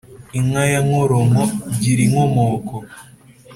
inka ya nkoronko gira inkomoko !